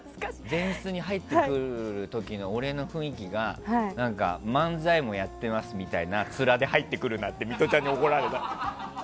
前室に入ってくる時の俺の雰囲気が漫才もやってますみたいなツラで入ってくるなってミトちゃんに怒られた。